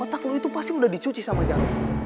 otak lu itu pasti udah dicuci sama jarum